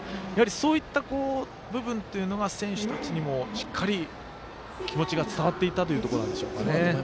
そういった部分が選手たちにもしっかり気持ちが伝わっていたというところなんでしょうかね。